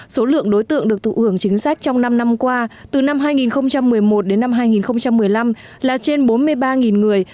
số lượng đối tượng được thụ hưởng chính sách trong năm năm qua từ năm hai nghìn một mươi một đến năm hai nghìn một mươi năm là trên bốn mươi ba người